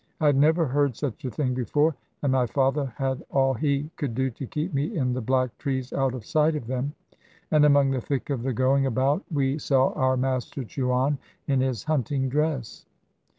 I had never heard such a thing before; and my father had all he could do to keep me in the black trees out of sight of them. And among the thick of the going about we saw our master Chouane in his hunting dress.